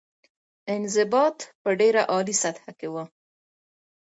انضباط په ډېره عالي سطح کې وه.